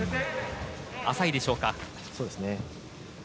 浅いでしょうか。